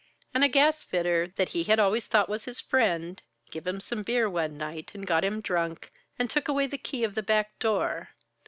And a gas fitter, that he had always thought was his friend, give him some beer one night and got him drunk, and took away the key of the back door.